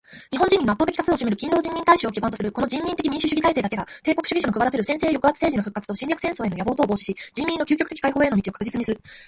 日本人民の圧倒的多数を占める勤労人民大衆を基盤とするこの人民的民主主義体制だけが帝国主義者のくわだてる専制抑圧政治の復活と侵略戦争への野望とを防止し、人民の窮極的解放への道を確実にする。